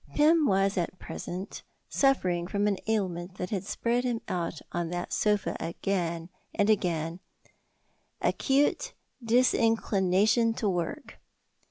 Pym was at present suffering from an ailment that had spread him out on that sofa again and again acute disinclination to work.